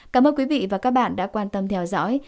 cảm ơn quý vị và các bạn đã quan tâm theo dõi